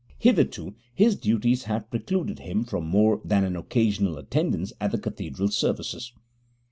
Hitherto his duties have precluded him from more than an occasional attendance at the Cathedral services.